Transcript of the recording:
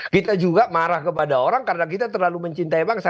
kita juga marah kepada orang karena kita terlalu mencintai bangsa